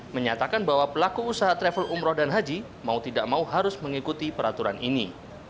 menyatakan bahwa pelaku usaha travel umroh dan haji mau tidak mau harus mengikuti peraturan ini